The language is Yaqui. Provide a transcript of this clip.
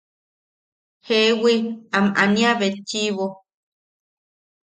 Jewi am aniabetchiʼibo.